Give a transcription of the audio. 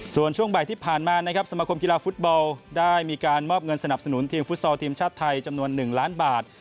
ส่วนช่วงบ่ายที่ผ่านมานะครับสมคมกีฬาฟุตบอลได้มีการมอบเงินสนับสนุนทีมฟุตซอลทีมชาติไทยจำนวน๑ล้านบาท